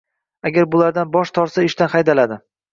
Agar bulardan bosh tortsa, ishdan haydaladi.